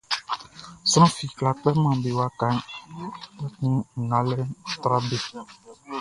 Sran fi kwlá kpɛman be wakaʼn, kpɛkun ngalɛʼn ɔ́ trá be.